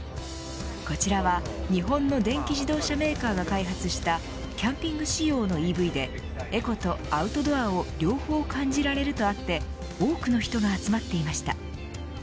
こちらは日本の電気自動車メーカーが開発したキャンピング仕様のＥＶでエコとアウトドアを両方感じられるとあって多くの人が集まっていました。